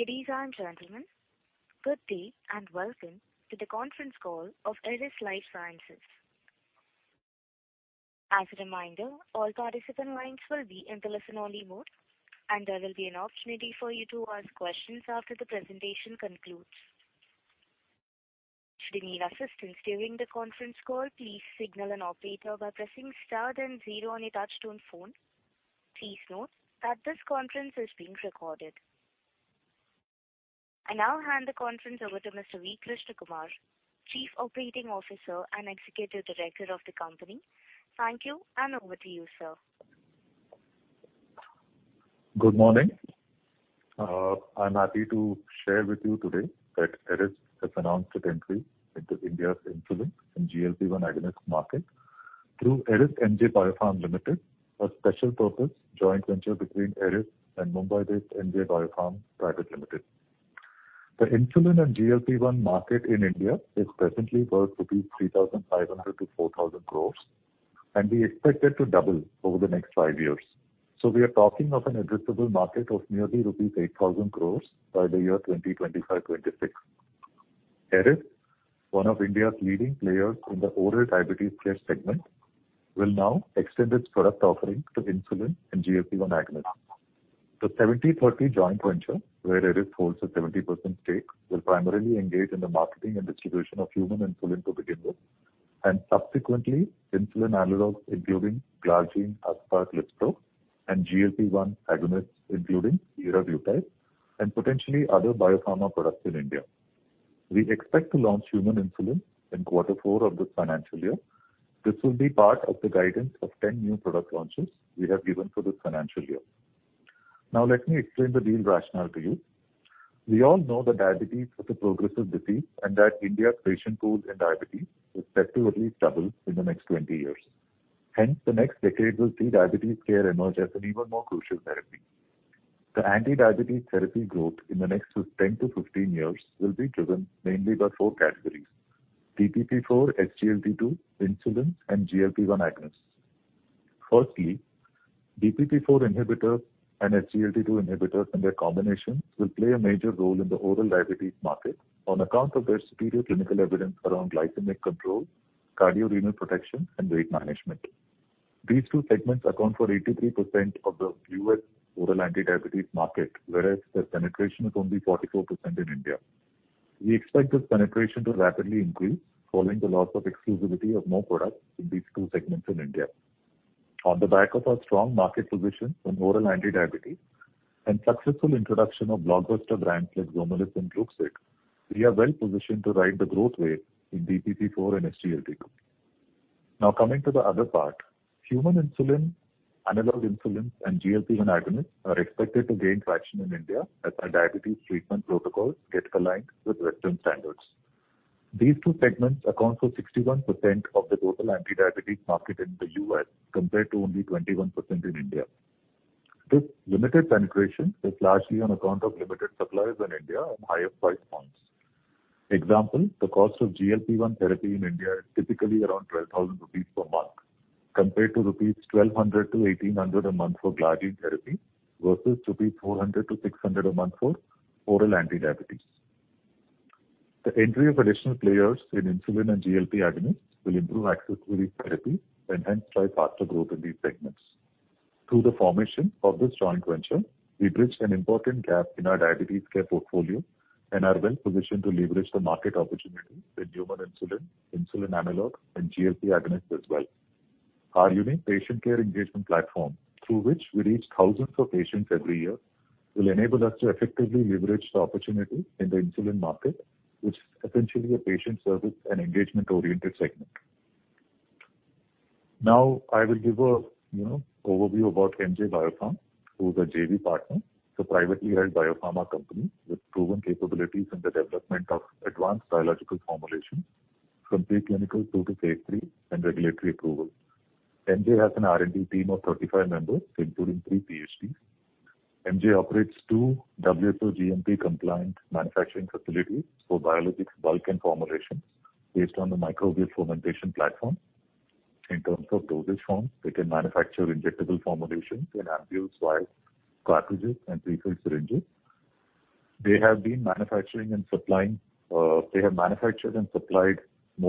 Ladies and gentlemen, good day and welcome to the conference call of Eris Lifesciences. As a reminder, all participant lines will be in the listen-only mode, and there will be an opportunity for you to ask questions after the presentation concludes. Should you need assistance during the conference call, please signal an operator by pressing star then zero on your touchtone phone. Please note that this conference is being recorded. I now hand the conference over to Mr. V. Krishnakumar, Chief Operating Officer and Executive Director of the company. Thank you, and over to you, sir. Good morning. I'm happy to share with you today that Eris has announced its entry into India's insulin and GLP-1 agonist market through Eris MJ Biopharm Limited, a special purpose joint venture between Eris and Mumbai-based MJ Biopharm Private Limited. The insulin and GLP-1 market in India is presently worth 3,500-4,000 crores rupees, and we expect it to double over the next five years. We are talking of an addressable market of nearly rupees 8,000 crores by the year 2025, 2026. Eris, one of India's leading players in the oral diabetes care segment, will now extend its product offering to insulin and GLP-1 agonists. The 70/30 joint venture, where Eris holds a 70% stake, will primarily engage in the marketing and distribution of human insulin to begin with, and subsequently insulin analogs, including glargine, aspart, lispro, and GLP-1 agonists, including liraglutide, and potentially other biopharma products in India. We expect to launch human insulin in quarter four of this financial year. This will be part of the guidance of 10 new product launches we have given for this financial year. Now let me explain the deal rationale to you. We all know that diabetes is a progressive disease and that India's patient pool in diabetes is set to at least double in the next 20 years. Hence, the next decade will see diabetes care emerge as an even more crucial therapy. The anti-diabetes therapy growth in the next 10-15 years will be driven mainly by four categories, DPP-4, SGLT-2, insulin, and GLP-1 agonists. Firstly, DPP-4 inhibitor and SGLT2 inhibitors, and their combinations will play a major role in the oral diabetes market on account of their superior clinical evidence around glycemic control, cardiorenal protection, and weight management. These two segments account for 83% of the U.S. oral anti-diabetes market, whereas the penetration is only 44% in India. We expect this penetration to rapidly increase following the loss of exclusivity of more products in these two segments in India. On the back of our strong market position on oral anti-diabetes and successful introduction of blockbuster brands like Romalis and Gluxit, we are well positioned to ride the growth wave in DPP-4 and SGLT2. Now coming to the other part. Human insulin, analog insulin, and GLP-1 agonists are expected to gain traction in India as our diabetes treatment protocols get aligned with Western standards. These two segments account for 61% of the total anti-diabetes market in the U.S., compared to only 21% in India. This limited penetration is largely on account of limited suppliers in India and higher price points. Example, the cost of GLP-1 therapy in India is typically around 12,000 rupees per month, compared to 1,200-1,800 rupees a month for glargine therapy, versus 400-600 rupees a month for oral anti-diabetes. The entry of additional players in insulin and GLP agonists will improve access to these therapies and hence drive faster growth in these segments. Through the formation of this joint venture, we bridge an important gap in our diabetes care portfolio and are well positioned to leverage the market opportunity in human insulin analog, and GLP-1 agonists as well. Our unique patient care engagement platform, through which we reach thousands of patients every year, will enable us to effectively leverage the opportunity in the insulin market, which is essentially a patient service and engagement-oriented segment. Now I will give a, you know, overview about MJ Biopharm, who is a JV partner. It's a privately held biopharma company with proven capabilities in the development of advanced biological formulations from pre-clinical through to phase III and regulatory approval. MJ has an R&D team of 35 members, including three PhDs. MJ operates two WHO GMP-compliant manufacturing facilities for biologics, bulk, and formulations based on the microbial fermentation platform. In terms of dosage forms, they can manufacture injectable formulations in ampoules, vials, cartridges, and pre-filled syringes. They have manufactured and supplied more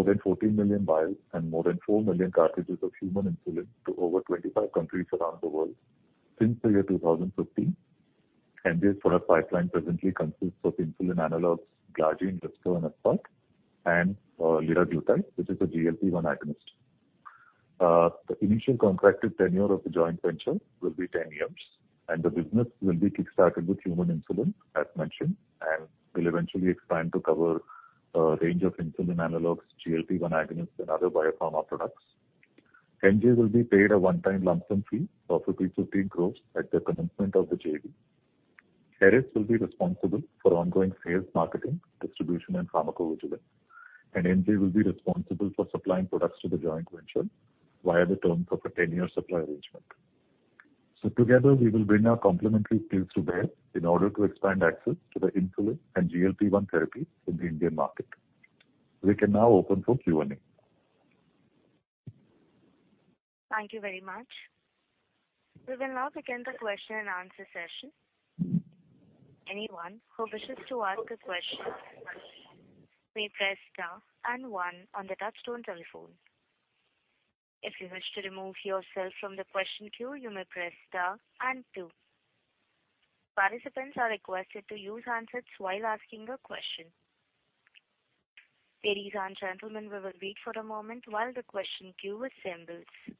than 14 million vials and more than 4 million cartridges of human insulin to over 25 countries around the world since 2015. MJ's product pipeline presently consists of insulin analogs glargine, lispro, and aspart, and liraglutide, which is a GLP-1 agonist. The initial contracted tenure of the joint venture will be 10 years, and the business will be kick-started with human insulin, as mentioned, and will eventually expand to cover a range of insulin analogs, GLP-1 agonists, and other biopharma products. MJ will be paid a one-time lump sum fee of INR 15 crores at the commencement of the JV. Eris will be responsible for ongoing sales, marketing, distribution, and pharmacovigilance. MJ will be responsible for supplying products to the joint venture via the terms of a 10-year supply arrangement. Together, we will bring our complementary skills to bear in order to expand access to the insulin and GLP-1 therapy in the Indian market. We can now open for Q&A. Thank you very much. We will now begin the question and answer session. Anyone who wishes to ask a question may press star and one on the touchtone telephone. If you wish to remove yourself from the question queue, you may press star and two. Participants are requested to use handsets while asking a question. Ladies and gentlemen, we will wait for a moment while the question queue assembles.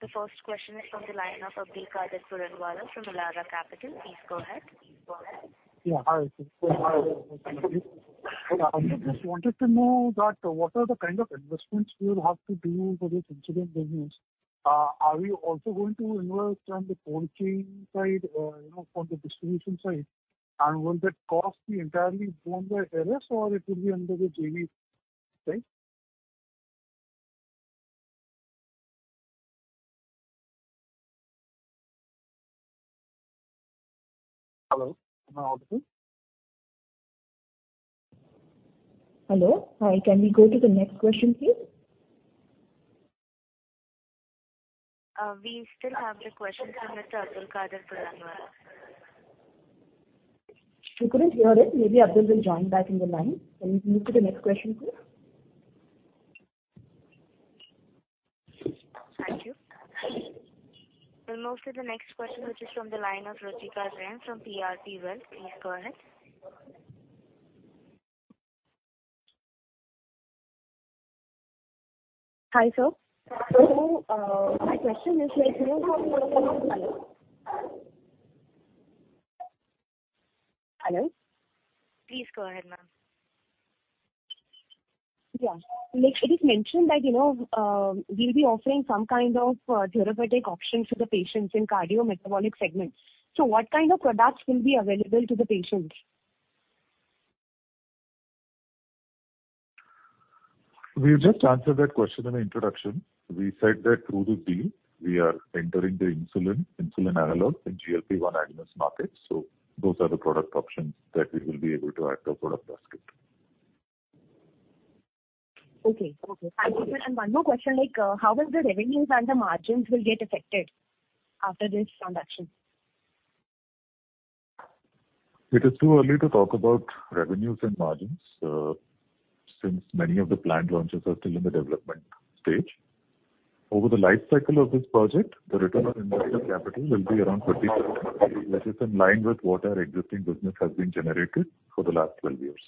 The first question is from the line of Abdulkader Puranwala from Elara Capital. Please go ahead. Yeah. Hi. I just wanted to know that what are the kind of investments you will have to do for this insulin business. Are you also going to invest on the cold chain side or, you know, for the distribution side? And will that cost be entirely borne by Eris or it will be under the JV side? Hello? Am I audible? Hello. Hi. Can we go to the next question, please? We still have the question from Mr. Abdulkader Puranwala. We couldn't hear it. Maybe Abdul will join back in the line. Can we move to the next question please? Thank you. We'll move to the next question, which is from the line of Rojika Ren from PRP Wealth. Please go ahead. Hi, sir. My question is like hello? Please go ahead, ma'am. Yeah. Like it is mentioned that, you know, we'll be offering some kind of therapeutic option to the patients in cardiometabolic segments. What kind of products will be available to the patients? We just answered that question in the introduction. We said that through the deal we are entering the insulin analog and GLP-1 agonist market. Those are the product options that we will be able to add to our product basket. Okay. Thank you, sir. One more question, like, how will the revenues and the margins will get affected after this transaction? It is too early to talk about revenues and margins, since many of the planned launches are still in the development stage. Over the life cycle of this project, the return on invested capital will be around 30%, which is in line with what our existing business has been generated for the last 12 years.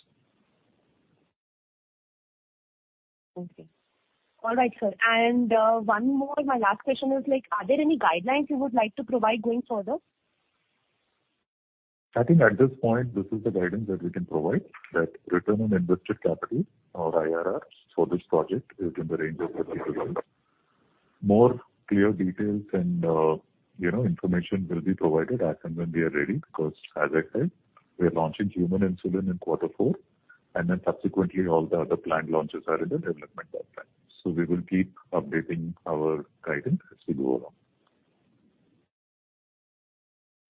Okay. All right, sir. One more. My last question is, like, are there any guidelines you would like to provide going further? I think at this point this is the guidance that we can provide, that return on invested capital or IRRs for this project is in the range of 30%. More clear details and information will be provided as and when we are ready, because as I said, we are launching human insulin in quarter four and then subsequently all the other planned launches are in the development pipeline. We will keep updating our guidance as we go along.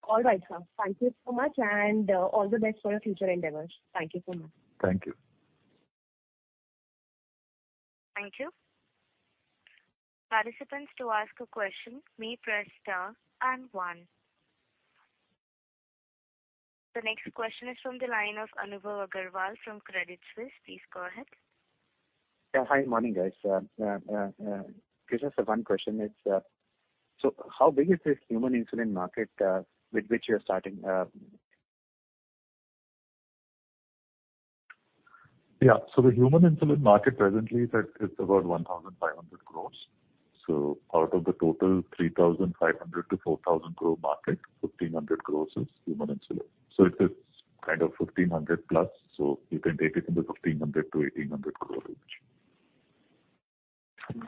All right, sir. Thank you so much and all the best for your future endeavors. Thank you so much. Thank you. Thank you. Participants to ask a question may press star and one. The next question is from the line of Anubhav Aggarwal from Credit Suisse. Please go ahead. Yeah. Hi. Morning, guys. Just one question. It's so how big is this human insulin market with which you're starting? Yeah. The human insulin market presently is about 1,500 crore. Out of the total 3,500-4,000 crore market, 1,500 crore is human insulin. It is kind of +1,500 crore. You can take it in the 1,500-1,800 crore range.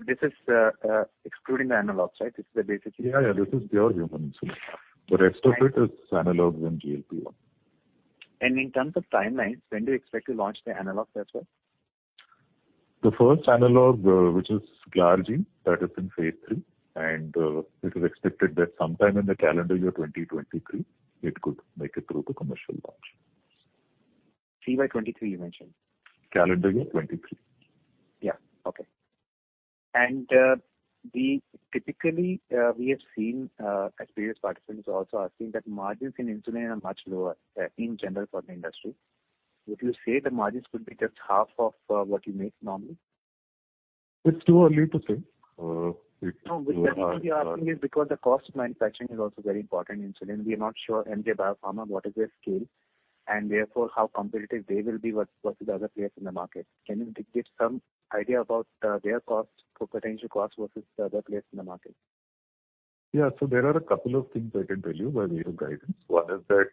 This is excluding the analogs, right? This is the basic. Yeah, yeah. This is pure human insulin. The rest of it is analogs and GLP-1. In terms of timelines, when do you expect to launch the analog as well? The first analog, which is glargine, that is in phase III and it is expected that sometime in the calendar year 2023, it could make it through the commercial launch. CY 2023 you mentioned? Calendar year 2023. Yeah. Okay. We typically have seen, as previous participants also are seeing, that margins in insulin are much lower in general for the industry. Would you say the margins could be just half of what you make normally? It's too early to say. No, the reason we're asking is because the cost of manufacturing is also very important insulin. We are not sure MJ Biopharm, what is their scale and therefore how competitive they will be versus the other players in the market. Can you give some idea about their cost or potential cost versus the other players in the market? Yeah. There are a couple of things I can tell you by way of guidance. One is that,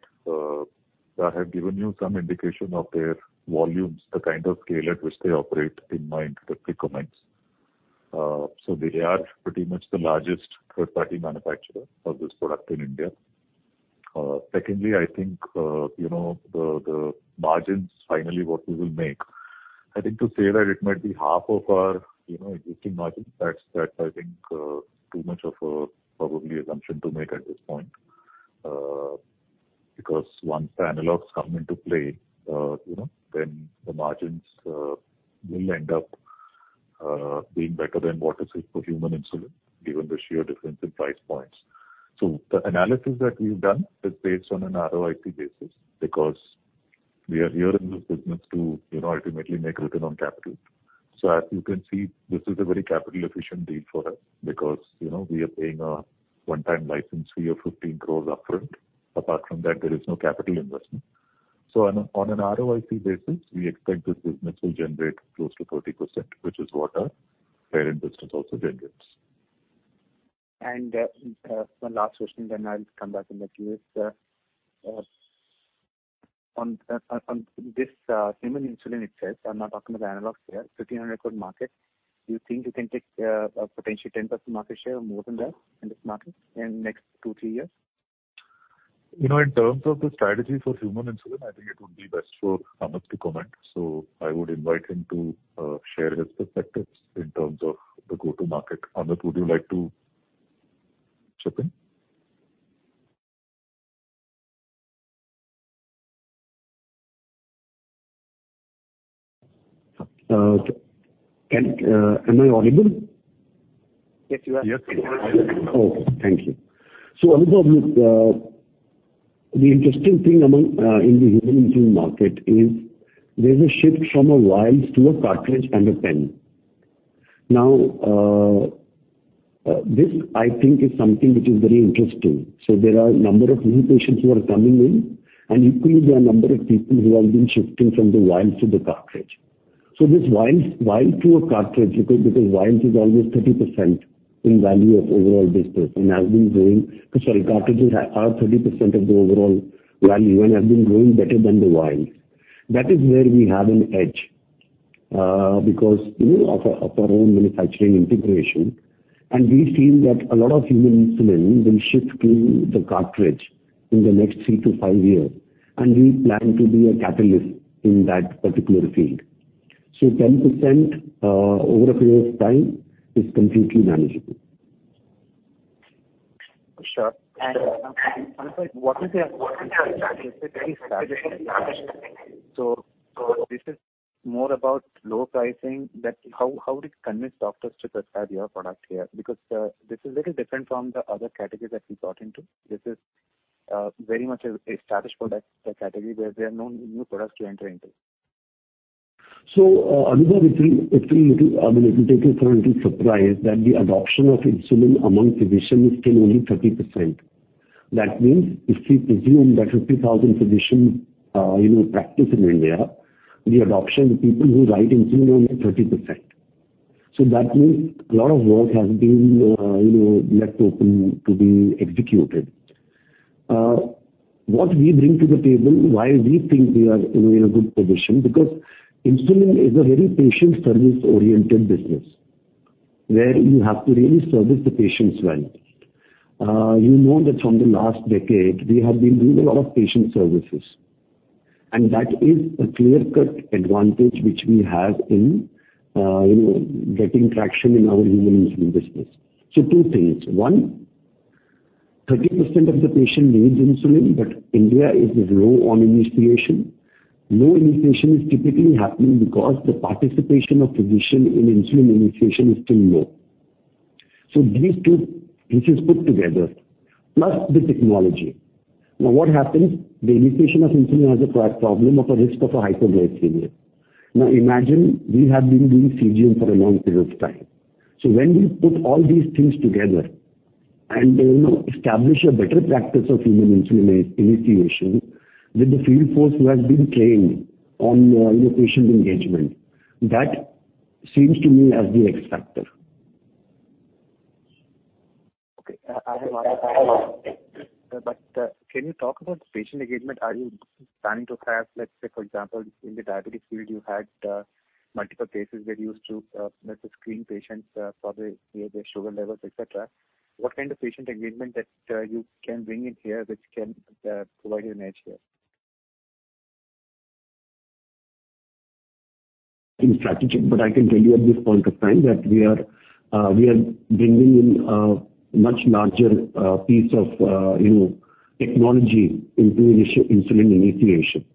I have given you some indication of their volumes, the kind of scale at which they operate in my introductory comments. They are pretty much the largest third-party manufacturer of this product in India. Secondly, I think, you know, the margins finally what we will make. I think to say that it might be half of our, you know, existing margin, that's that I think too much of a probable assumption to make at this point. Because once the analogs come into play, you know, then the margins will end up being better than what is with the human insulin, given the sheer difference in price points. The analysis that we've done is based on an ROIC basis because we are here in this business to, you know, ultimately make return on capital. As you can see, this is a very capital efficient deal for us because, you know, we are paying a one-time license fee of 15 crore upfront. Apart from that, there is no capital investment. On an ROIC basis, we expect this business will generate close to 30%, which is what our parent business also generates. One last question, then I'll come back in the queue. Sir, on this human insulin itself, I'm not talking about analogs here, 1,300 crore market. Do you think you can take a potential 10% market share or more than that in this market in next two-three years? You know, in terms of the strategy for human insulin, I think it would be best for Amit to comment. I would invite him to share his perspectives in terms of the go-to-market. Amit, would you like to chip in? Am I audible? Yes, you are. Yes. Okay. Thank you. Anubhav, look, the interesting thing among in the human insulin market is there's a shift from a vial to a cartridge and a pen. Now, this I think is something which is very interesting. There are a number of new patients who are coming in, and equally there are a number of people who have been shifting from the vial to the cartridge. This vial to a cartridge, because vials is always 30% in value of overall business and has been growing. Sorry, cartridges are 30% of the overall value and have been growing better than the vials. That is where we have an edge, because, you know, of our, of our own manufacturing integration, and we feel that a lot of human insulin will shift to the cartridge in the next three-five years, and we plan to be a catalyst in that particular field. 10%, over a period of time is completely manageable. Sure. Amit, this is more about low pricing than how do you convince doctors to prescribe your product here? Because this is a little different from the other categories that we got into. This is very much an established product category where there are no new products to enter into. Anubhav, it will take you for a little surprise that the adoption of insulin among physicians is still only 30%. That means if we presume that 50,000 physicians practice in India, the adoption of people who write insulin is only 30%. That means a lot of work has been left open to be executed. What we bring to the table, why we think we are in a good position because insulin is a very patient service-oriented business where you have to really service the patients well. You know that from the last decade we have been doing a lot of patient services and that is a clear-cut advantage which we have in getting traction in our human insulin business. Two things. One, 30% of the patients need insulin, but India is low on initiation. Low initiation is typically happening because the participation of physicians in insulin initiation is still low. These two pieces put together, plus the technology. Now what happens? The initiation of insulin has a problem of a risk of hypoglycemia. Now imagine we have been doing CGM for a long period of time. When we put all these things together and, you know, establish a better practice of human insulin initiation with the field force who has been trained on, you know, patient engagement, that seems to me as the X factor. Okay. Can you talk about patient engagement? Are you planning to have, let's say for example, in the diabetic field you had multiple cases where you used to you know, screen patients for their you know, their sugar levels, et cetera. What kind of patient engagement that you can bring in here which can provide you an edge here? I can tell you at this point of time that we are bringing in a much larger piece of you know technology into insulin initiation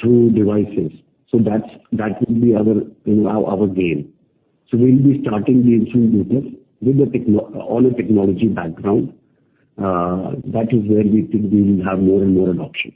through devices. That will be our you know our gain. We'll be starting the insulin business with all the technology background. That is where we think we will have more and more adoptions.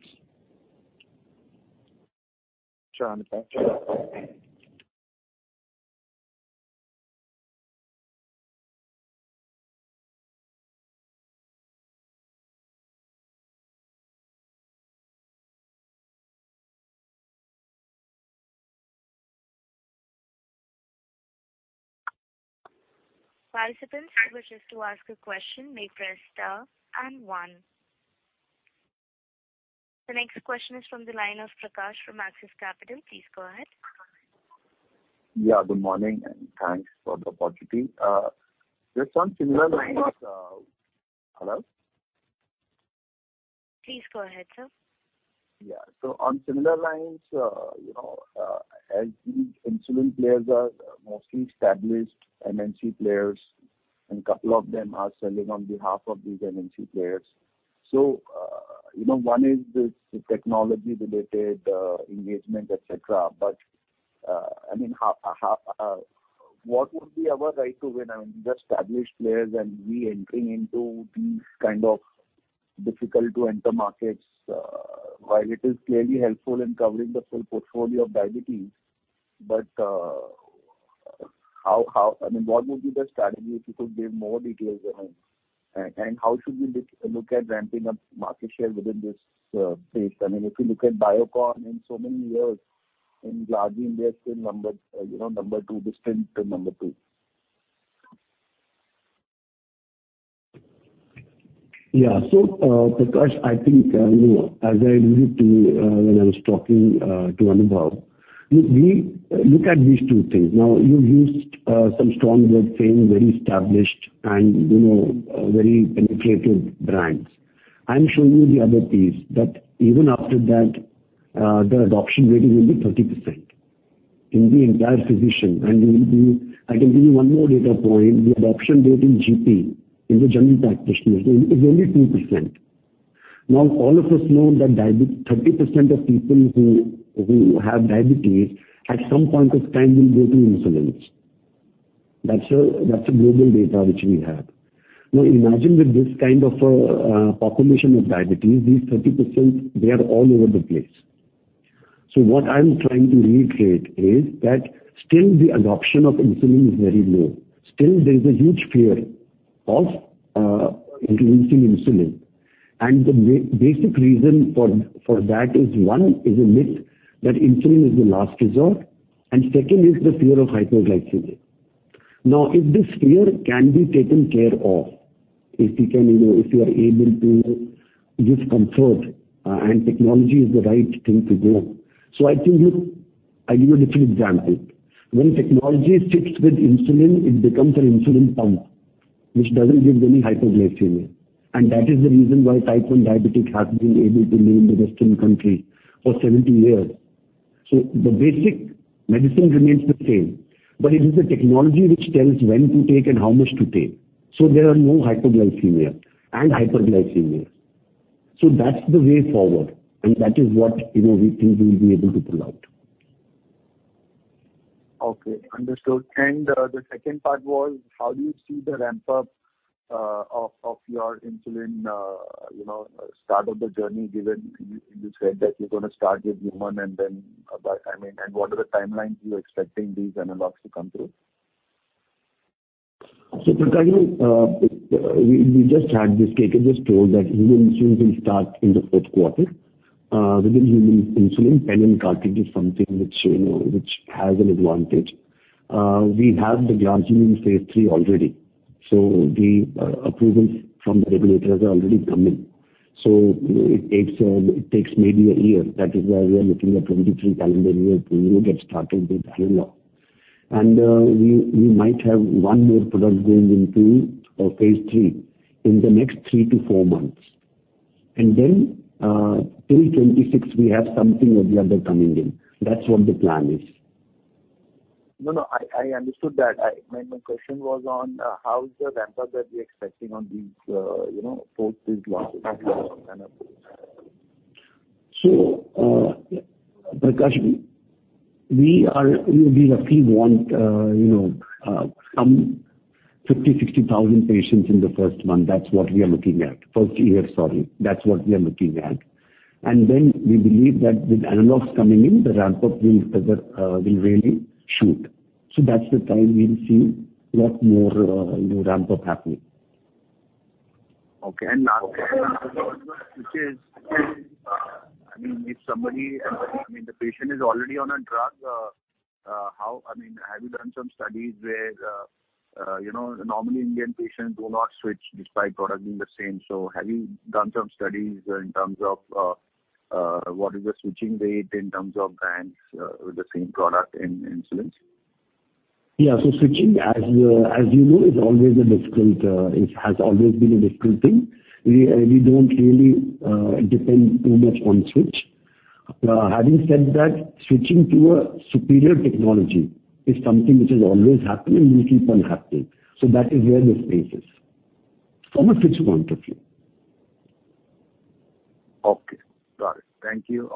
Sure, Amit. Thank you. The next question is from the line of Prakash from Axis Capital. Please go ahead. Yeah, good morning and thanks for the opportunity. There's some similar- Your line is- Hello? Please go ahead, sir. Yeah. On similar lines, you know, as the insulin players are mostly established MNC players and couple of them are selling on behalf of these MNC players. You know, one is this technology-related engagement, et cetera. I mean, what would be our right to win, I mean, the established players and we entering into these kind of difficult to enter markets, while it is clearly helpful in covering the full portfolio of diabetes. I mean, what would be the strategy if you could give more details around? How should we look at ramping up market share within this space? I mean, if you look at Biocon in so many years, in Glargine they're still number two. Yeah. Prakash, I think, you know, as I alluded to, when I was talking to Anubhav, we look at these two things. Now, you've used some strong words saying very established and, you know, very penetrative brands. I'm showing you the other piece that even after that, the adoption rate will be 30% in the entire physician. I can give you one more data point. The adoption rate in GP, in the general practitioner is only 2%. Now, all of us know that 30% of people who have diabetes at some point of time will go to insulins. That's a global data which we have. Now, imagine with this kind of population of diabetes, these 30%, they are all over the place. What I'm trying to reiterate is that still the adoption of insulin is very low. Still there is a huge fear of introducing insulin. The basic reason for that is, one is a myth that insulin is the last resort, and second is the fear of hypoglycemia. Now, if this fear can be taken care of, if we can, you know, if you are able to give comfort, and technology is the right thing to go. I think, look, I'll give you a different example. When technology sits with insulin, it becomes an insulin pump, which doesn't give any hypoglycemia. That is the reason why type 1 diabetics have been able to live in Western countries for 70 years. The basic medicine remains the same, but it is the technology which tells when to take and how much to take. There are no hypoglycemia and hyperglycemia. That's the way forward, and that is what, you know, we think we'll be able to pull out. Okay, understood. The second part was how do you see the ramp up of your insulin you know start of the journey, given you said that you're gonna start with human and then, I mean, and what are the timelines you're expecting these analogs to come through? Prakash, KK just told that human insulin will start in the fourth quarter. Within human insulin, pen and cartridge is something which, you know, which has an advantage. We have the glargine in phase III already, so the approvals from the regulators are already coming. It takes maybe a year. That is why we are looking at 2023 calendar year to, you know, get started with analog. We might have one more product going into phase III in the next three-four months. Till 2026, we have something or the other coming in. That's what the plan is. No, no, I understood that. My question was on how is the ramp up that we're expecting on these, you know, four phases launches? Prakash, we are roughly wanting, you know, some 50,000-60,000 patients in the first year. That's what we are looking at. We believe that with analogs coming in, the ramp up will further really shoot. That's the time we'll see a lot more, you know, ramp up happening. Okay. Last which is, I mean, the patient is already on a drug, I mean, have you done some studies where, you know, normally Indian patients do not switch despite product being the same? Have you done some studies in terms of what is the switching rate in terms of brands with the same product in insulins? Switching, as you know, has always been a difficult thing. We don't really depend too much on switch. Having said that, switching to a superior technology is something which is always happening, will keep on happening. That is where the space is from a switch point of view. Okay, got it. Thank you.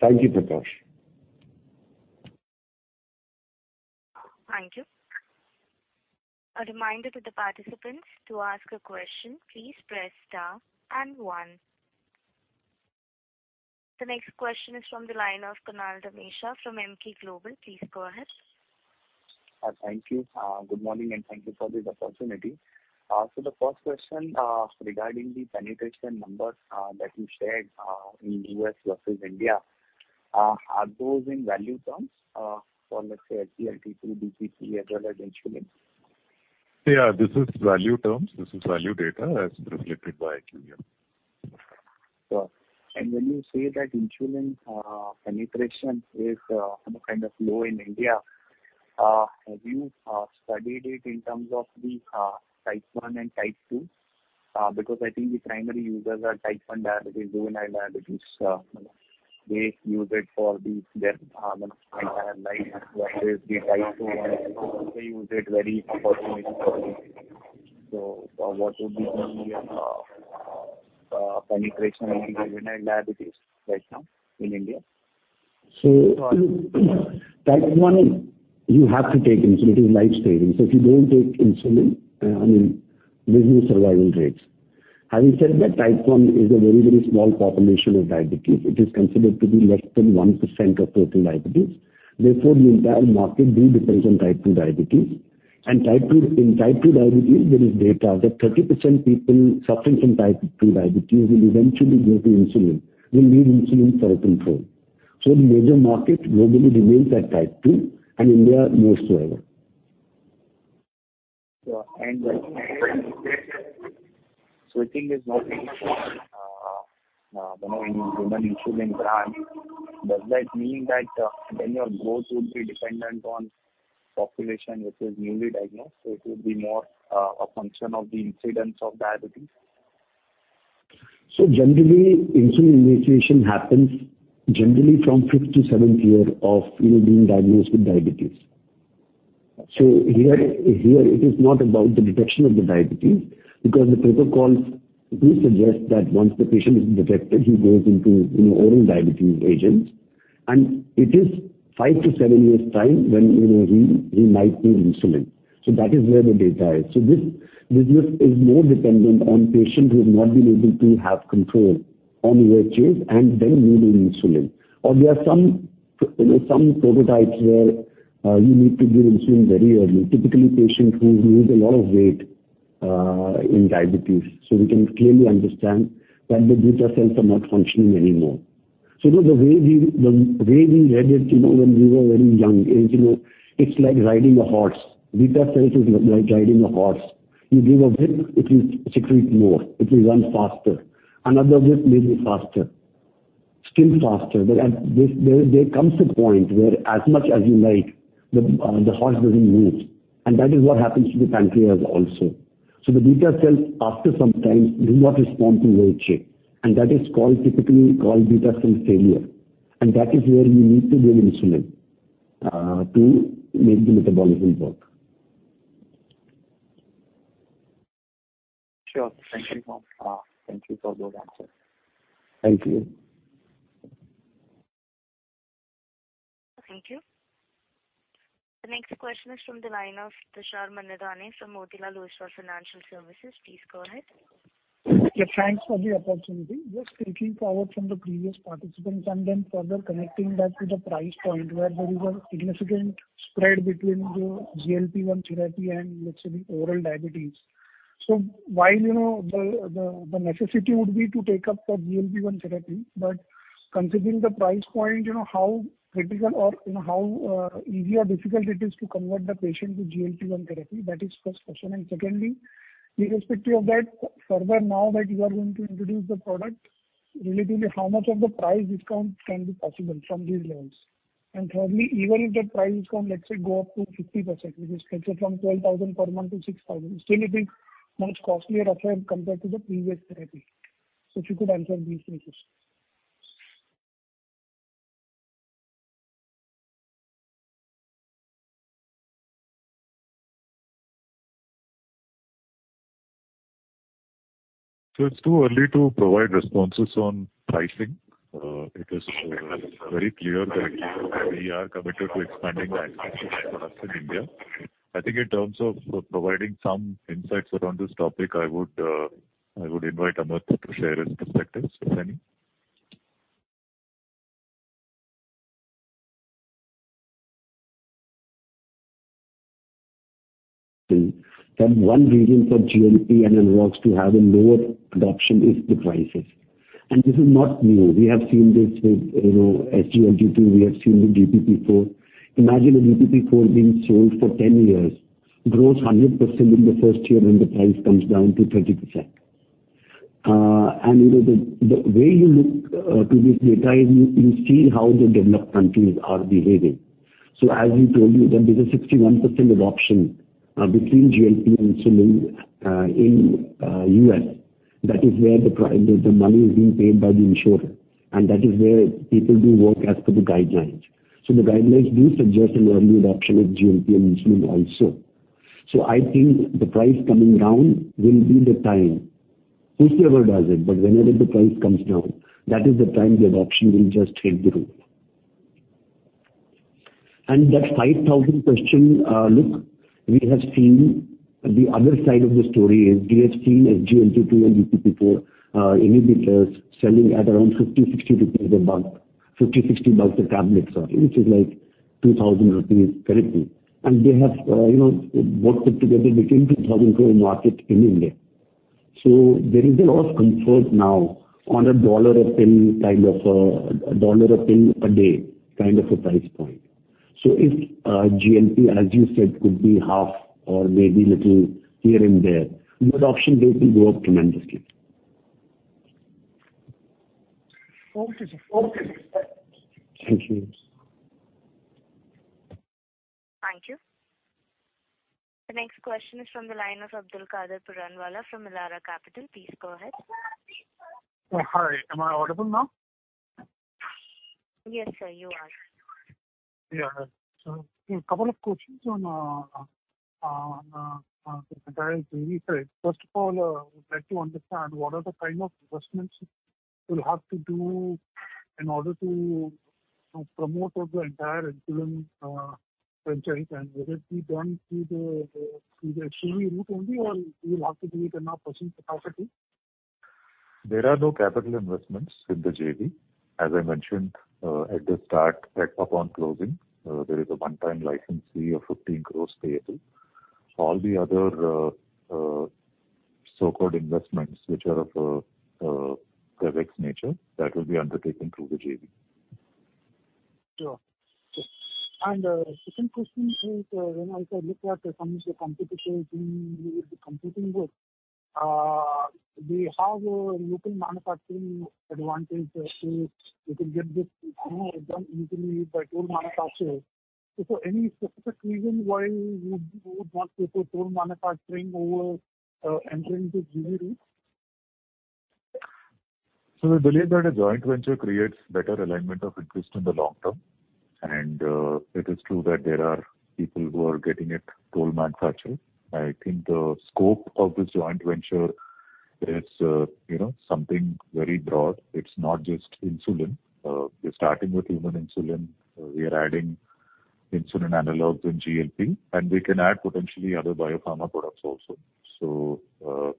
Thank you, Prakash. Thank you. A reminder to the participants, to ask a question, please press star and one. The next question is from the line of Kunal Ramesh from Emkay Global. Please go ahead. Thank you. Good morning, and thank you for this opportunity. The first question, regarding the penetration numbers that you shared in U.S. versus India, are those in value terms for, let's say, SGLT2, DPP as well as insulin? Yeah, this is value terms. This is value data as reflected by IQVIA. Sure. When you say that insulin penetration is kind of low in India, have you studied it in terms of the type 1 and type 2? Because I think the primary users are type 1 diabetes, juvenile diabetes. They use it for their entire life, whereas the type 2 ones, they use it very occasionally. What would be the penetration of juvenile diabetes right now in India? Look, type 1, you have to take insulin. It is life-saving. If you don't take insulin, there's no survival rates. Having said that, type 1 is a very, very small population of diabetes. It is considered to be less than 1% of total diabetes. Therefore, the entire market does depend on type 2 diabetes. type 2. In type 2 diabetes, there is data that 30% people suffering from type 2 diabetes will eventually go to insulin, will need insulin for control. The major market globally remains at type 2 and India more so ever. Sure. Switching is not easy, you know, in human insulin brand. Does that mean that then your growth would be dependent on population which is newly diagnosed, so it would be more a function of the incidence of diabetes? Generally, insulin initiation happens generally from fifth to seventh year of, you know, being diagnosed with diabetes. Here it is not about the detection of the diabetes, because the protocols do suggest that once the patient is detected, he goes into, you know, oral diabetes agents, and it is five to seven years time when, you know, he might need insulin. That is where the data is. This business is more dependent on patient who have not been able to have control on OAs and then moving insulin. Or there are some, you know, some patient types where you need to give insulin very early. Typically, patient who lose a lot of weight in diabetes, so we can clearly understand that the beta cells are not functioning anymore. The way we read it, you know, when we were very young is, you know, it's like riding a horse. Beta cells is like riding a horse. You give a whip, it will secrete more, it will run faster. Another whip, maybe faster. Still faster. At this point, there comes a point where as much as you like, the horse doesn't move. That is what happens to the pancreas also. The beta cells, after some time, do not respond to OA, and that is called, typically called beta cell failure. That is where you need to give insulin to make the metabolism work. Sure. Thank you. Thank you for those answers. Thank you. Thank you. The next question is from the line of Tushar Manudhane from Motilal Oswal Financial Services. Please go ahead. Yeah, thanks for the opportunity. Just taking forward from the previous participants and then further connecting that to the price point where there is a significant spread between the GLP-1 therapy and let's say the oral diabetes. While, you know, the necessity would be to take up the GLP-1 therapy, but considering the price point, you know, how critical or, you know, how easy or difficult it is to convert the patient to GLP-1 therapy? That is first question. Secondly, irrespective of that, further, now that you are going to introduce the product, relatively how much of the price discount can be possible from these levels? Thirdly, even if the price discount, let's say, go up to 50%, which is let's say from 12,000 per month to 6,000, still it is much costlier compared to the previous therapy. If you could answer these three questions. It's too early to provide responses on pricing. It is very clear that we are committed to expanding the access to insulin in India. I think in terms of providing some insights around this topic, I would invite Amrit to share his perspectives, if any. From one region, for GLP and analogs to have a lower adoption is the prices. This is not new. We have seen this with SGLT2, we have seen with DPP-4. Imagine a DPP-4 being sold for 10 years, grows 100% in the first year, and the price comes down to 30%. The way you look at this data, you see how the developed countries are behaving. As we told you that there's a 61% adoption between GLP insulin in U.S. That is where the money is being paid by the insurer, and that is where people do work as per the guidelines. The guidelines do suggest an early adoption of GLP insulin also. I think the price coming down will be the time. Whosoever does it, but whenever the price comes down, that is the time the adoption will just hit the roof. That 5000 question, look, we have seen the other side of the story is we have seen SGLT2 and DPP-4 inhibitors selling at around 50-60 rupees a month, 50-60 bucks a tablet, sorry, which is like 2000 rupees currently. They have, you know, worked out together between 2000 crore market in India. There is a lot of comfort now on a $1 a pill a day kind of a price point. If GLP-1, as you said, could be half or maybe little here and there, the adoption rate will go up tremendously. Thank you. Thank you. The next question is from the line of Abdulkader Puranwala from Elara Capital. Please go ahead. Hi. Am I audible now? Yes, sir, you are. Yeah. A couple of questions on the entire JV side. First of all, I would like to understand what are the kind of investments you'll have to do in order to promote the entire insulin franchise and whether it be done through the equity route only or you will have to do it in a personal capacity. There are no capital investments in the JV. As I mentioned, at the start that upon closing, there is a one-time license fee of 15 crore payable. All the other so-called investments which are of CapEx nature that will be undertaken through the JV. Sure. Second question is, when I look at some of the competitors whom you will be competing with, they have a local manufacturing advantage. So you can get this, you know, done easily by toll manufacturers. Is there any specific reason why you would want to go toll manufacturing over entering the JV route? We believe that a joint venture creates better alignment of interest in the long term. It is true that there are people who are getting it total manufactured. I think the scope of this joint venture is, you know, something very broad. It's not just insulin. We're starting with human insulin. We are adding insulin analogs in GLP, and we can add potentially other biopharma products also.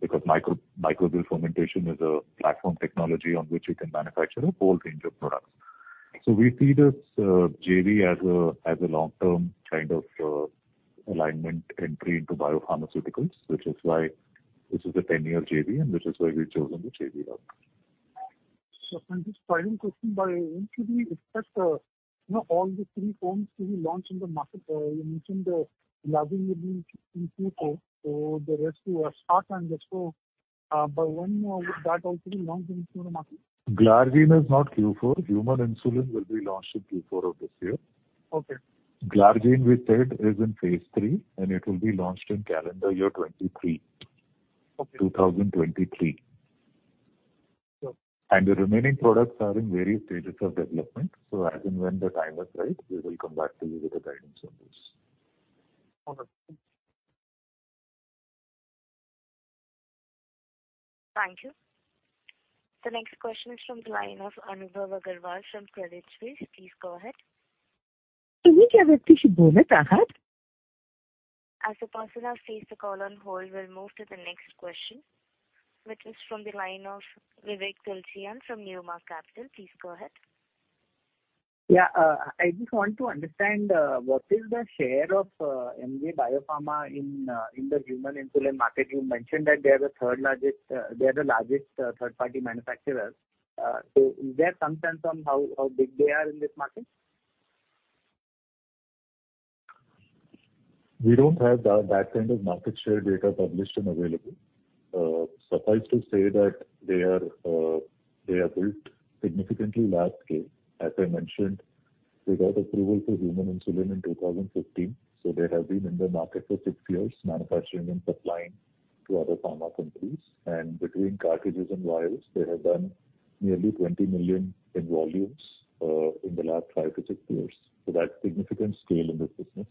Because microbial fermentation is a platform technology on which you can manufacture a whole range of products. We see this JV as a long-term kind of alignment entry into biopharmaceuticals, which is why this is a 10-year JV and which is why we've chosen the JV route. Sure. Just final question. By when should we expect all the three forms to be launched in the market? You mentioned the Glargine will be in Q4. The rest two are aspart and lispro. By when would that also be launched into the market? Glargine is not Q4. Human insulin will be launched in Q4 of this year. Okay. Glargine, we said, is in phase III, and it will be launched in calendar year 2023. Okay. 2023. Sure. The remaining products are in various stages of development. As and when the time is right, we will come back to you with the guidance on this. Okay. Thanks. Thank you. The next question is from the line of Anubhav Aggarwal from Credit Suisse. Please go ahead. As the person has placed the call on hold, we'll move to the next question, which is from the line of Vivek Tulshyan from Neoma Capital. Please go ahead. Yeah. I just want to understand what is the share of MJ Biopharm in the human insulin market. You mentioned that they are the largest third-party manufacturers. Is there some sense on how big they are in this market? We don't have that kind of market share data published and available. Suffice to say they have built significantly large scale. As I mentioned, they got approval for human insulin in 2015, so they have been in the market for six years manufacturing and supplying to other pharma companies. Between cartridges and vials, they have done nearly 20 million in volumes in the last five to six years. That's significant scale in this business.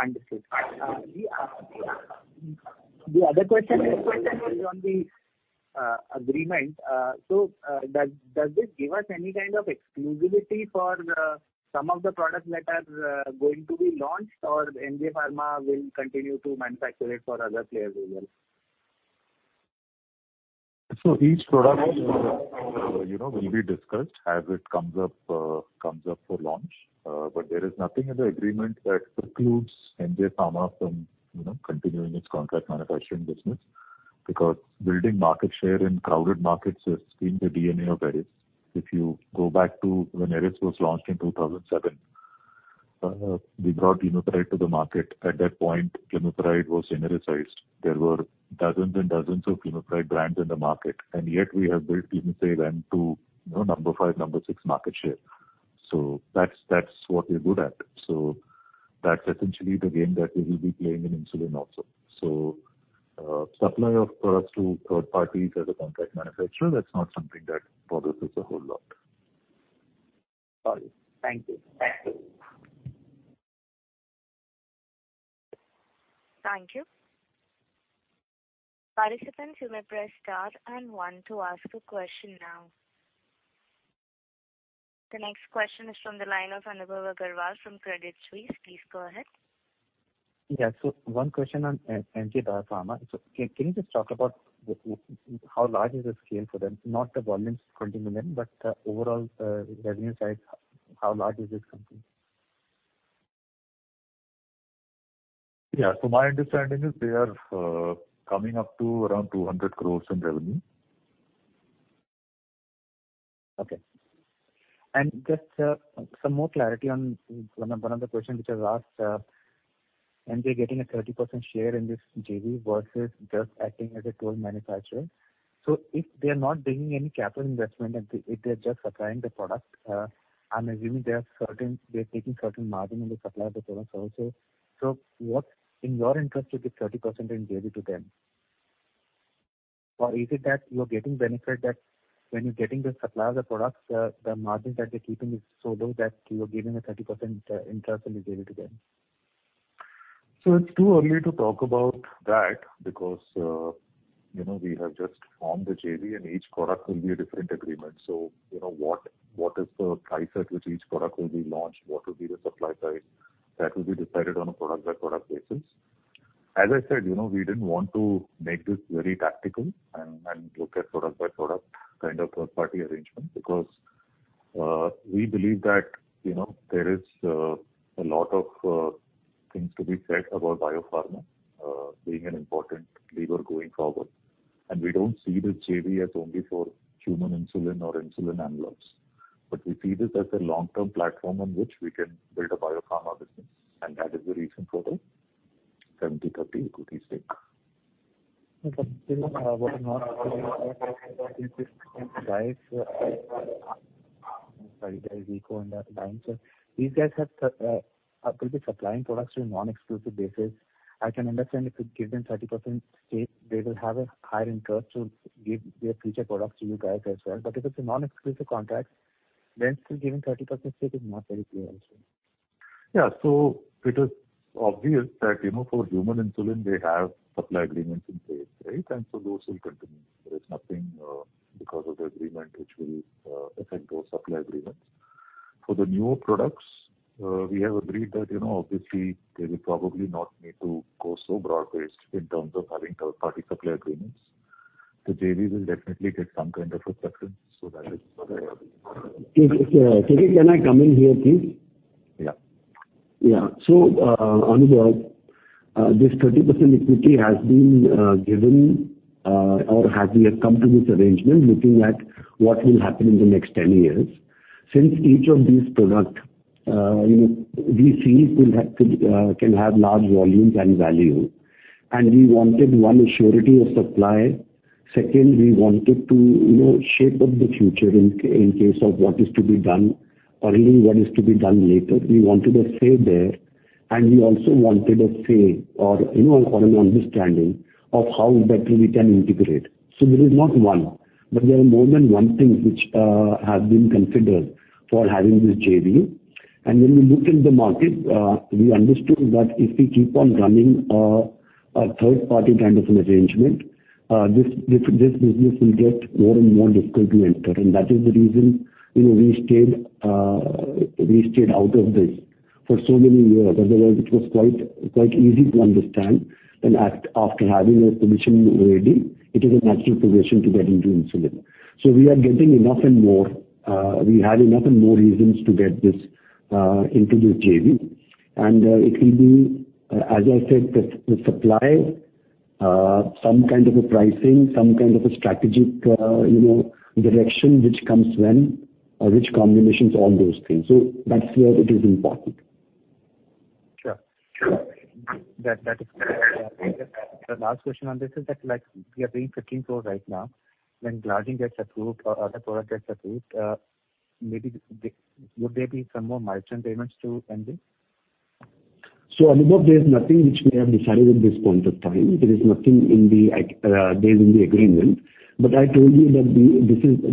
Understood. The other question is on the agreement. Does this give us any kind of exclusivity for some of the products that are going to be launched or MJ Biopharm will continue to manufacture it for other players as well? Each product, you know, will be discussed as it comes up for launch. But there is nothing in the agreement that precludes MJ Biopharm from, you know, continuing its contract manufacturing business because building market share in crowded markets has been the DNA of Eris. If you go back to when Eris was launched in 2007, we brought glimepiride to the market. At that point, glimepiride was genericized. There were dozens and dozens of glimepiride brands in the market, and yet we have built Glimisave M to, you know, number, five number six market share. That's what we're good at. That's essentially the game that we will be playing in insulin also. Supply of products to third parties as a contract manufacturer, that's not something that bothers us a whole lot. Got it. Thank you. Thank you. Thank you. Participants, you may press star and one to ask a question now. The next question is from the line of Anubhav Aggarwal from Credit Suisse. Please go ahead. Yeah. One question on MJ Biopharm. Can you just talk about how large is the scale for them? Not the volumes, 20 million, but overall, revenue side, how large is this company? Yeah. My understanding is they are coming up to around 200 crore in revenue. Okay. Just some more clarity on one of the question which I've asked. They're getting a 30% share in this JV versus just acting as a tool manufacturer. If they are not bringing any capital investment and if they're just supplying the product, I'm assuming they're taking certain margin on the supply of the products also. What's in your interest to give 30% in JV to them? Or is it that you're getting benefit that when you're getting the supply of the products, the margin that they're keeping is so low that you are giving a 30% interest in the JV to them. It's too early to talk about that because, you know, we have just formed the JV and each product will be a different agreement. You know what is the price at which each product will be launched, what will be the supply side, that will be decided on a product by product basis. As I said, you know, we didn't want to make this very tactical and look at product by product kind of third party arrangement because, we believe that, you know, there is a lot of things to be said about biopharma being an important lever going forward. We don't see this JV as only for human insulin or insulin analogs, but we see this as a long-term platform on which we can build a biopharma business, and that is the reason for the 70-30 equity stake. Okay. What I'm asking is this price. Sorry, there is echo on that line. These guys will be supplying products on non-exclusive basis. I can understand if you give them 30% stake, they will have a higher interest to give their future products to you guys as well. If it's a non-exclusive contract, then still giving 30% stake is not very clear also. It is obvious that, you know, for human insulin they have supply agreements in place, right? Those will continue. There is nothing because of the agreement which will affect those supply agreements. For the newer products, we have agreed that, you know, obviously they will probably not need to go so broad-based in terms of having third party supply agreements. The JV will definitely get some kind of a preference, so that is. KK, can I come in here, please? Yeah. Anubhav, this 30% equity has been given, or we have come to this arrangement looking at what will happen in the next 10 years. Since each of these products, you know, we see can have large volumes and value. We wanted, one, a surety of supply. Second, we wanted to, you know, shape up the future in case of what is to be done early, what is to be done later. We wanted a say there, and we also wanted a say or, you know, an understanding of how better we can integrate. There is not one, but there are more than one things which have been considered for having this JV. When we looked at the market, we understood that if we keep on running a third party kind of an arrangement, this business will get more and more difficult to enter. That is the reason, you know, we stayed out of this for so many years. Otherwise, it was quite easy to understand. After having a position already, it is a natural progression to get into insulin. We are getting enough and more, we had enough and more reasons to get this into this JV. It will be, as I said, the supply, some kind of a pricing, some kind of a strategic, you know, direction which comes when which combinations, all those things. That's where it is important. Sure. That is clear. The last question on this is that, like we are paying 15 crore right now. When Glargine gets approved or other product gets approved, maybe would there be some more milestone payments to MJ? Anubhav, there's nothing which we have decided at this point of time. There is nothing in the agreement. I told you that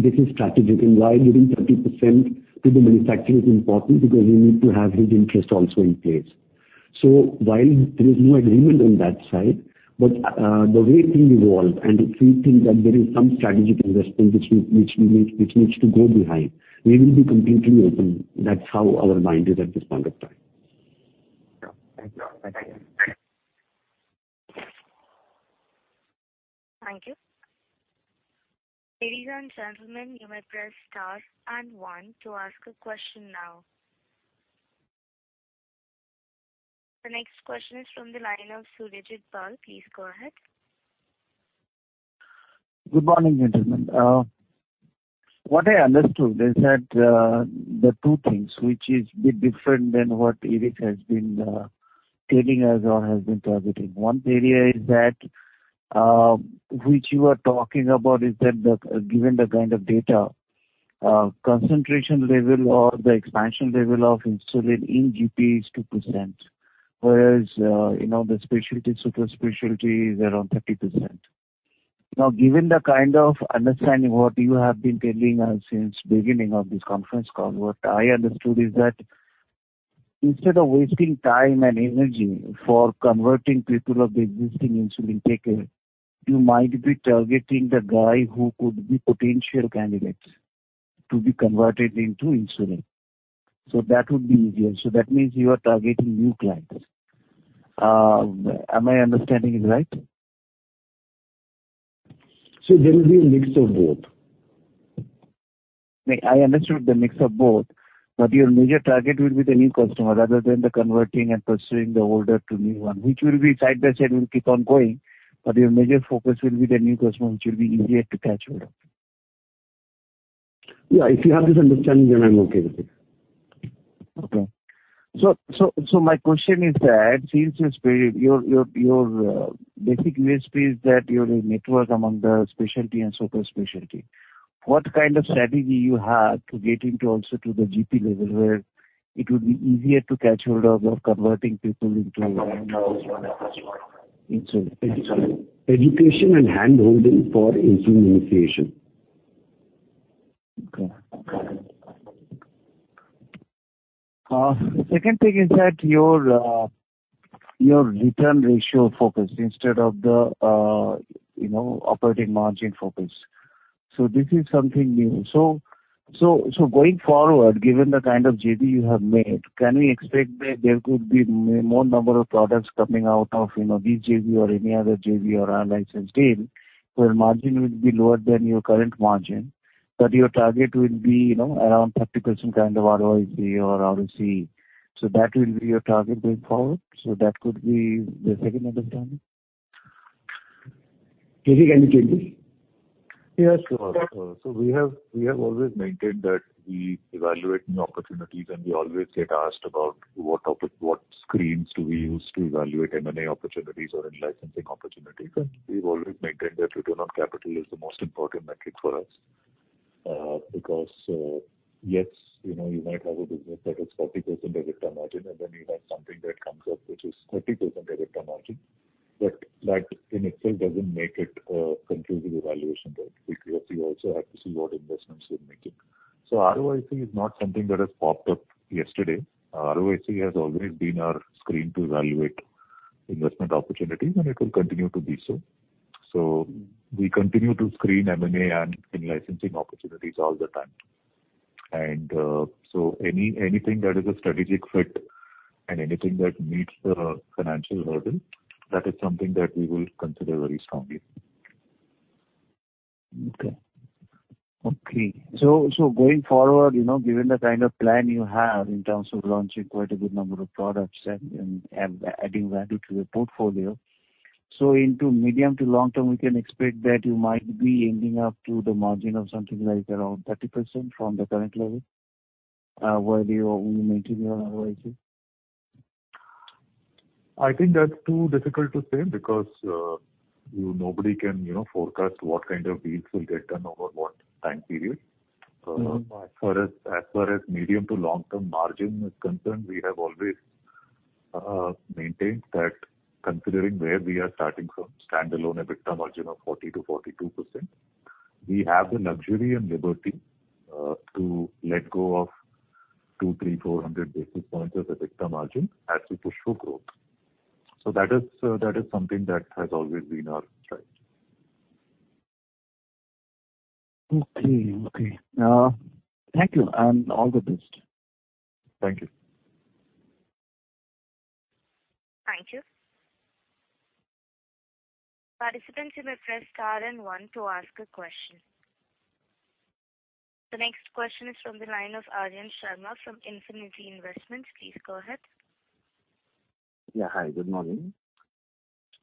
this is strategic. Why giving 30% to the manufacturer is important because we need to have his interest also in place. While there is no agreement on that side, the way it will evolve and if we think that there is some strategic investment which we need, which needs to go behind, we will be completely open. That's how our mind is at this point of time. Sure. Thank you. Thank you. Thank you. Ladies and gentlemen, you may press star and one to ask a question now. The next question is from the line of Surajit Pal. Please go ahead. Good morning, gentlemen. What I understood is that there are two things which is bit different than what Eris has been telling us or has been targeting. One area is that which you are talking about is that the given the kind of data concentration level or the expansion level of insulin in GP is 2%, whereas you know the specialty super specialty is around 30%. Now given the kind of understanding what you have been telling us since beginning of this conference call, what I understood is that instead of wasting time and energy for converting people of the existing insulin takers, you might be targeting the guy who could be potential candidates to be converted into insulin. That would be easier. That means you are targeting new clients. Am I understanding it right? There will be a mix of both. I understood the mix of both. Your major target will be the new customer rather than the converting and pursuing the older to new one, which will be side by side will keep on going, but your major focus will be the new customer, which will be easier to catch hold of. Yeah, if you have this understanding, then I'm okay with it. My question is that since this period, your basic USP is that you're a network among the specialty and super specialty. What kind of strategy you have to get into also to the GP level, where it will be easier to catch hold of or converting people into Education and hand-holding for insulin initiation. Okay. The second thing is that your return ratio focus instead of the, you know, operating margin focus. This is something new. Going forward, given the kind of JV you have made, can we expect that there could be more number of products coming out of, you know, this JV or any other JV or unlicensed deal, where margin will be lower than your current margin, but your target will be, you know, around 30% kind of ROIC or ROC. That will be your target going forward. That could be the second understanding. Is it any changes? Yes. We have always maintained that we evaluate new opportunities, and we always get asked about what screens do we use to evaluate M&A opportunities or in-licensing opportunities. We've always maintained that return on capital is the most important metric for us. Because you know, you might have a business that is 40% EBITDA margin, and then you have something that comes up, which is 30% EBITDA margin. That in itself doesn't make it a conclusive evaluation point because you also have to see what investments you're making. ROIC is not something that has popped up yesterday. ROIC has always been our screen to evaluate investment opportunities, and it will continue to be so. We continue to screen M&A and in-licensing opportunities all the time. Anything that is a strategic fit and anything that meets the financial hurdle, that is something that we will consider very strongly. Okay. Going forward, you know, given the kind of plan you have in terms of launching quite a good number of products and adding value to your portfolio. Into medium to long term, we can expect that you might be ending up to the margin of something like around 30% from the current level, where you will maintain your ROIC? I think that's too difficult to say because nobody can, you know, forecast what kind of deals will get done over what time period. Mm-hmm. As far as medium to long-term margin is concerned, we have always maintained that considering where we are starting from, standalone EBITDA margin of 40%-42%, we have the luxury and liberty to let go of 200, 300, 400 basis points of EBITDA margin as we push for growth. That is something that has always been our strength. Okay. Thank you and all the best. Thank you. Thank you. Participants, you may press star and one to ask a question. The next question is from the line of [Arihant] Sharma from Infinity Investments. Please go ahead. Yeah. Hi, good morning.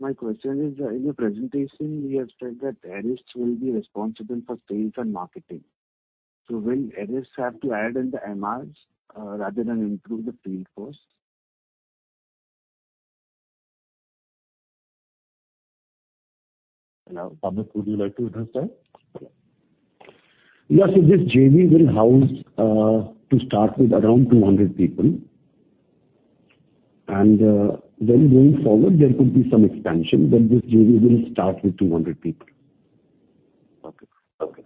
My question is, in your presentation, you have said that Eris will be responsible for sales and marketing. Will Eris have to add in the MRs, rather than improve the field force? Now, Pankaj, would you like to address that? Yeah. This JV will house, to start with, around 200 people. Then going forward, there could be some expansion, but this JV will start with 200 people. Okay.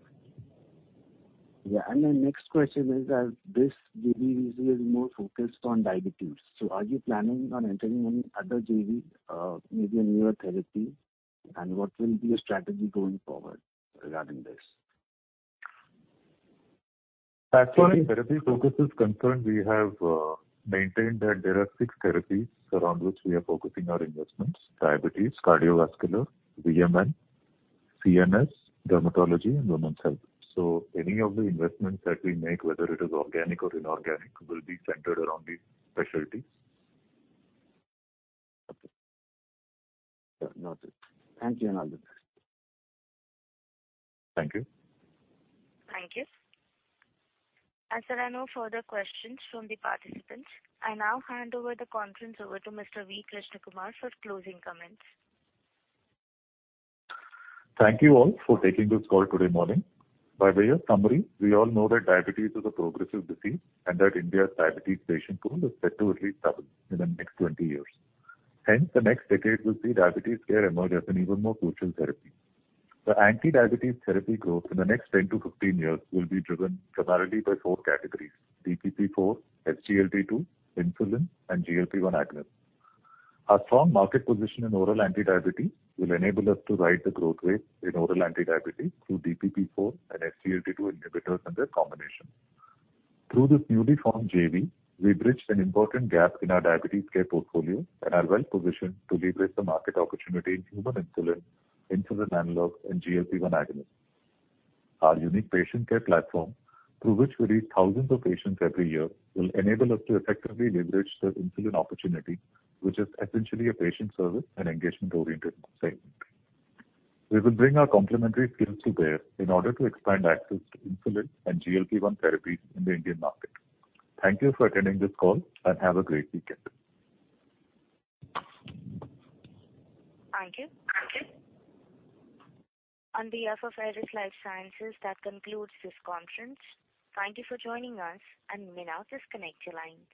Yeah. My next question is, this JV is more focused on diabetes. Are you planning on entering any other JV, maybe in neurotherapy? What will be your strategy going forward regarding this? As far as therapy focus is concerned, we have maintained that there are six therapies around which we are focusing our investments, diabetes, cardiovascular, VMN, CNS, dermatology, and women's health. Any of the investments that we make, whether it is organic or inorganic, will be centered around these specialties. Okay. Yeah, noted. Thank you and all the best. Thank you. Thank you. As there are no further questions from the participants, I now hand over the conference to Mr. V. Krishnakumar for closing comments. Thank you all for taking this call today morning. By way of summary, we all know that diabetes is a progressive disease and that India's diabetes patient pool is set to at least double in the next 20 years. Hence, the next decade will see diabetes care emerge as an even more crucial therapy. The anti-diabetes therapy growth in the next 10-15 years will be driven primarily by four categories, DPP-4, SGLT-2, insulin, and GLP-1 agonist. Our strong market position in oral anti-diabetes will enable us to ride the growth rate in oral anti-diabetes through DPP-4 and SGLT-2 inhibitors and their combination. Through this newly formed JV, we bridged an important gap in our diabetes care portfolio and are well-positioned to leverage the market opportunity in human insulin analogs, and GLP-1 agonists. Our unique patient care platform, through which we reach thousands of patients every year, will enable us to effectively leverage the insulin opportunity, which is essentially a patient service and engagement-oriented segment. We will bring our complementary skills to bear in order to expand access to insulin and GLP1 therapies in the Indian market. Thank you for attending this call, and have a great weekend. Thank you. On behalf of Eris Lifesciences, that concludes this conference. Thank you for joining us, and you may now disconnect your lines.